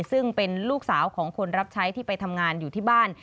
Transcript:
ซึ่งเป็นลูกสาวของคนรับใช้ที่ไปทำงานอยู่ที่บ้าน